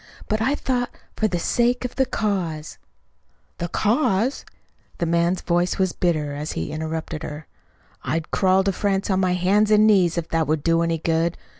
"But I thought, for the sake of the cause " "The cause!" The man's voice was bitter as he interrupted her. "I'd crawl to France on my hands and knees if that would do any good!